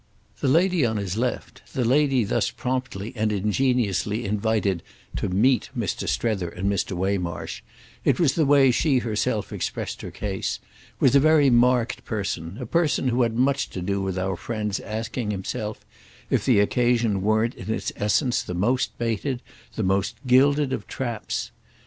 The lady on his left, the lady thus promptly and ingeniously invited to "meet" Mr. Strether and Mr. Waymarsh—it was the way she herself expressed her case—was a very marked person, a person who had much to do with our friend's asking himself if the occasion weren't in its essence the most baited, the most gilded of traps.